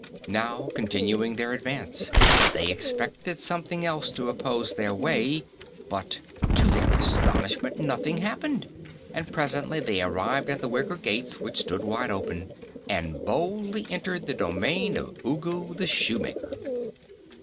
Now, continuing their advance, they expected something else to oppose their way, but to their astonishment nothing happened, and presently they arrived at the wicker gates, which stood wide open, and boldly entered the domain of Ugu the Shoemaker.